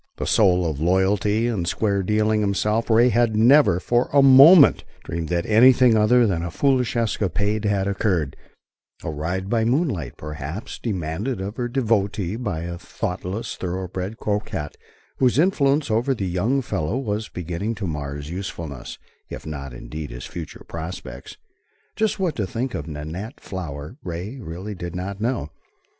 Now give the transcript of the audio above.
The soul of loyalty and square dealing himself, Ray had never for a moment dreamed that anything other than a foolish escapade had occurred a ride by moonlight, perhaps, demanded of her devotee by a thoughtless, thoroughbred coquette, whose influence over the young fellow was beginning to mar his usefulness, if not indeed his future prospects. Just what to think of Nanette Flower Ray really did not know.